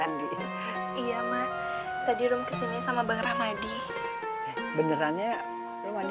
andi iya mah tadi rum kesini sama bang rahmadi benerannya rumah dia